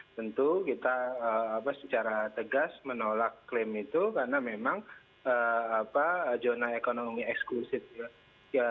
tentu kita secara tegas menolak klaim itu karena memang zona ekonomi eksklusif